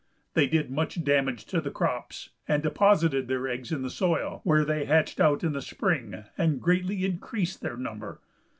They did much damage to the crops, and deposited their eggs in the soil, where they hatched out in the spring, and greatly increased their number.